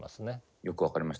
よく分かりました。